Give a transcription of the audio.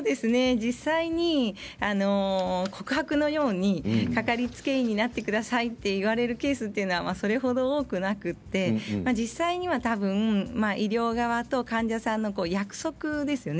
実際に告白のようにかかりつけ医になってくださいと言われるケースというのはそれほど多くなくて実際にはたぶん医療側と患者さんの約束ですね。